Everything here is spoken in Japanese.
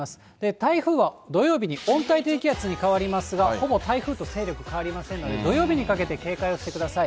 台風は土曜日に温帯低気圧に変わりますが、ほぼ台風と勢力変わりませんので、土曜日にかけて警戒をしてください。